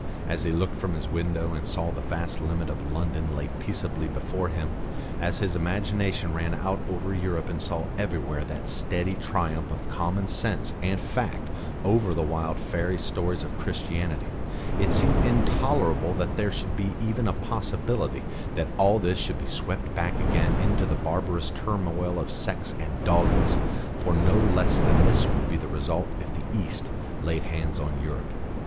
As he looked from his window and saw that vast limit of London laid peaceably before him, as his imagination ran out over Europe and saw everywhere that steady triumph of common sense and fact over the wild fairy stories of Christianity, it seemed intolerable that there should be even a possibility that all this should be swept back again into the barbarous turmoil of sects and dogmas; for no less than this would be the result if the East laid hands on Europe.